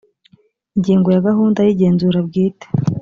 ingingo ya gahunda y igenzura bwite